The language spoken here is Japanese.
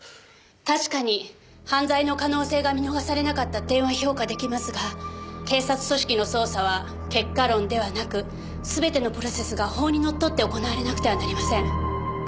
確かに犯罪の可能性が見逃されなかった点は評価出来ますが警察組織の捜査は結果論ではなく全てのプロセスが法にのっとって行われなくてはなりません。